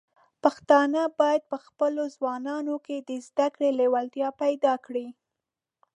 پښتانه بايد په خپلو ځوانانو کې د زده کړې لیوالتیا پيدا کړي.